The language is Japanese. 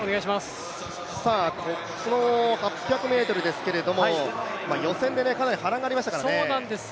この８００ｍですけれども予選でかなり波乱がありましたからね。